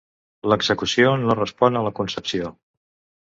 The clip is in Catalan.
L'execució no respon a la concepció.